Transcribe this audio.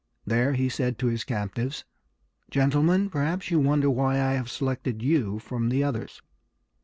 There he said to his captives, "Gentlemen, perhaps you wonder why I have selected you from the others.